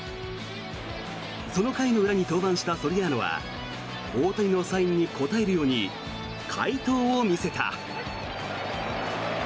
その回の裏に登板したソリアーノは大谷のサインに応えるように快投を見せた。